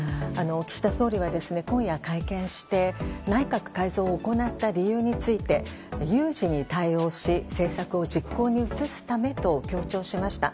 岸田総理は今夜会見して内閣改造を行った理由について、有事に対応し政策を実行に移すためと強調しました。